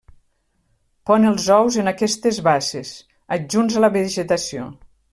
Pon els ous en aquestes basses, adjunts a la vegetació.